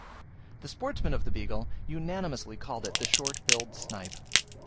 The sportsmen of the Beagle unanimously called it the short billed snipe.